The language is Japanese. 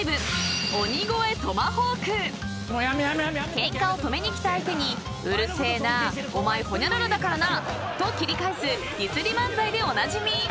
［ケンカを止めに来た相手に「うるせえな」「お前ほにゃららだからな」と切り返すディスり漫才でおなじみ］